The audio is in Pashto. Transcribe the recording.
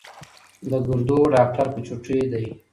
د ګردو ډاکټر په چوټۍ دی